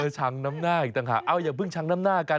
ชังน้ำหน้าอีกต่างหากเอาอย่าเพิ่งชังน้ำหน้ากัน